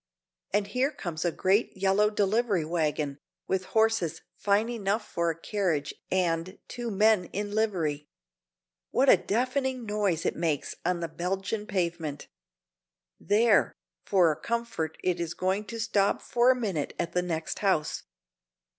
And here comes a great yellow delivery wagon, with horses fine enough for a carriage and two men in livery. What a deafening noise it makes on the Belgian pavement! There! for a comfort it is going to stop for a minute at the next house.